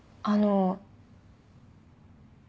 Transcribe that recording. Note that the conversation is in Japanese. あの。